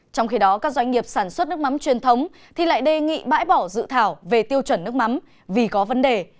trong khi đó các doanh nghiệp sản xuất nước mắm truyền thống thì lại đề nghị bãi bỏ dự thảo về tiêu chuẩn nước mắm vì có vấn đề